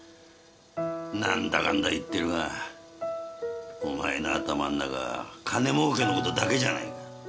何だかんだ言ってるがお前の頭ん中は金儲けの事だけじゃないか。